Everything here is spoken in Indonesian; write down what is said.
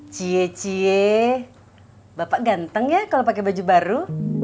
cie cie bapak ganteng ya kalau pakai baju baru